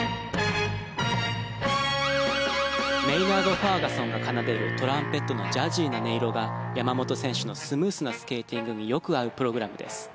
ファーガソンが奏でるトランペットのジャジーな音色が山本選手のスムースなスケーティングによく合うプログラムです。